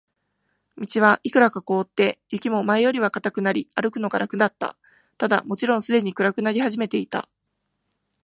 道はいくらか凍って、雪も前よりは固くなり、歩くのが楽だった。ただ、もちろんすでに暗くなり始めていた。